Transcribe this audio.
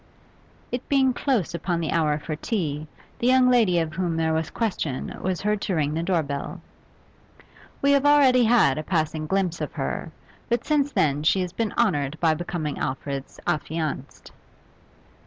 It being close upon the hour for tea, the young lady of whom there was question was heard to ring the door bell. We have already had a passing glimpse of her, but since then she has been honoured by becoming Alfred's affianced.